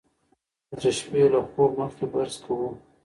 موږ د شپې له خوب مخکې برس کوو.